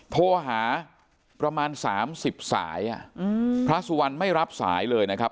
โทรหาประมาณ๓๐สายพระสุวรรณไม่รับสายเลยนะครับ